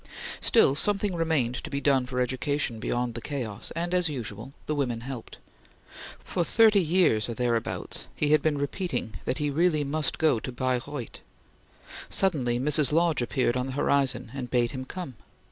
Still something remained to be done for education beyond the chaos, and as usual the woman helped. For thirty years or there abouts, he had been repeating that he really must go to Baireuth. Suddenly Mrs. Lodge appeared on the horizon and bade him come.